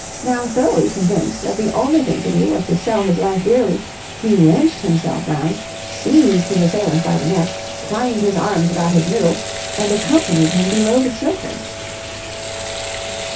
Now thoroughly convinced that the only thing to do was to sell his life dearly, he wrenched himself round, seized his assailant by the neck, twined his arms about his middle, and accompanied him below the surface.